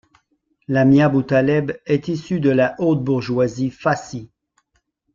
Lamia Boutaleb est issue de la haute bourgeoisie fassie.